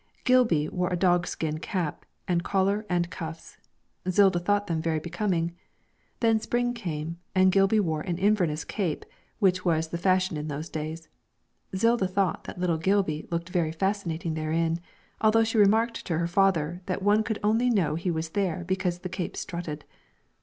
Gilby wore a dogskin cap and collar and cuffs; Zilda thought them very becoming. Then spring came, and Gilby wore an Inverness cape, which was the fashion in those days. Zilda thought that little Gilby looked very fascinating therein, although she remarked to her father that one could only know he was there because the cape strutted.